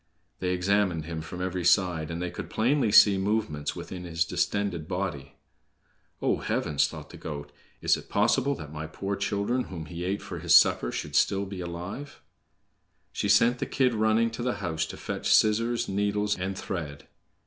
They examined him from every side, and they could plainly see movements within his distended body. "Ah, heavens!" thought the goat, "is it possible that my poor children, whom he ate for his supper, should be still alive?" She sent the kid running to the house to fetch scissors, needles, and thread.